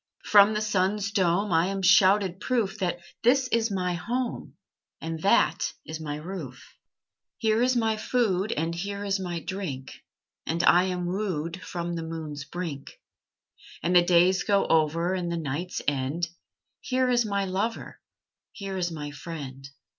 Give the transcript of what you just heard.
From the sun's dome I am shouted proof That this is my home, And that is my roof. Here is my food, And here is my drink, And I am wooed From the moon's brink. And the days go over, And the nights end; Here is my lover, Here is my friend.